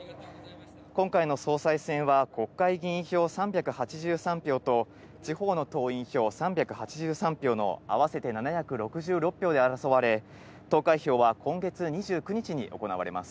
今回の総裁選は国会議員票３８３票と地方の党員票３８３票の合わせて７６６票で争われ、投開票は今月２９日に行われます。